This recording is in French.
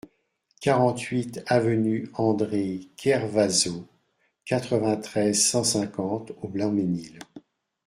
quarante-huit avenue André Kervazo, quatre-vingt-treize, cent cinquante au Blanc-Mesnil